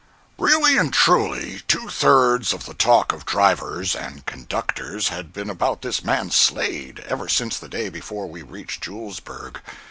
Really and truly, two thirds of the talk of drivers and conductors had been about this man Slade, ever since the day before we reached Julesburg.